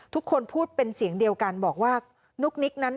ทุกคนพูดเป็นเสียงเดียวกันบอกว่านุ๊กนิกนั้น